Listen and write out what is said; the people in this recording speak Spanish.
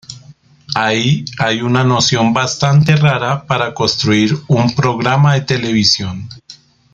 Ahí hay una noción bastante rara para construir un programa de televisión.